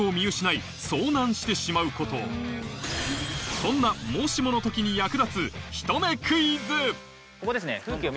そんなもしもの時に役立つここですね。